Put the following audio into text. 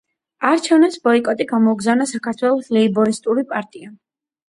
არჩევნებს ბოიკოტი გამოუცხადა საქართველოს ლეიბორისტული პარტიამ.